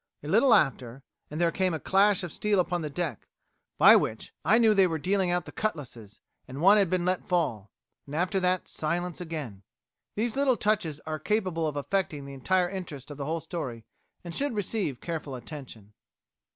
A little after, and there came a clash of steel upon the deck, by which I knew they were dealing out the cutlasses, and one had been let fall; and after that silence again." These little touches are capable of affecting the entire interest of the whole story, and should receive careful attention.